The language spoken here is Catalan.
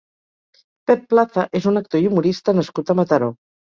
Pep Plaza és un actor i humorista nascut a Mataró.